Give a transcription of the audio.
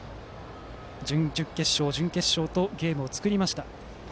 準々決勝、準決勝とゲームを作りました。